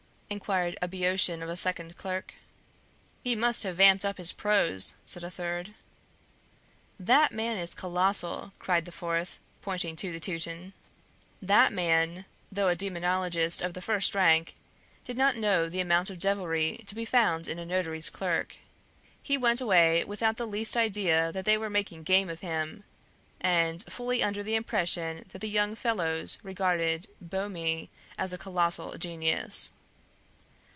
inquired a Boeotian of a second clerk. "He must have vamped up his prose," said a third. "That man is colossal!" cried the fourth, pointing to the Teuton. That gentleman, though a demonologist of the first rank, did not know the amount of devilry to be found in a notary's clerk. He went away without the least idea that they were making game of him, and fully under the impression that the young fellows regarded Boehme as a colossal genius.